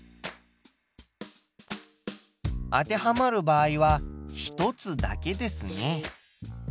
当てはまる場合は１つだけですね。